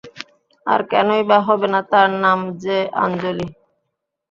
আর কেনই বা হবে না তার নাম যে আঞ্জলি।